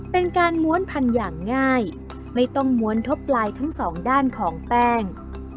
เป็นการม้วนพันธุ์อย่างง่ายไม่ต้องม้วนทบลายทั้งสองด้านของแป้ง